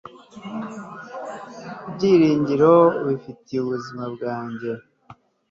Ibyiringiro ufitiye ubuzima bwanjye